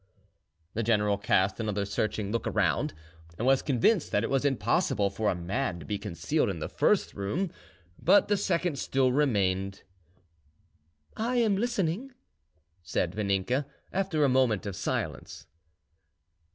The general cast another searching look round, and was convinced that it was impossible for a man to be concealed in the first room—but the second still remained. "I am listening," said Vaninka, after a moment of silence.